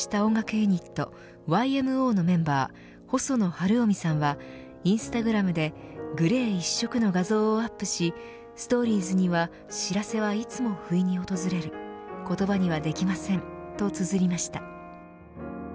ユニットＹＭＯのメンバー細野晴臣さんはインスタグラムでグレー１色の画像をアップしストーリーズには知らせはいつも不意に訪れる言葉にはできませんとつづりました。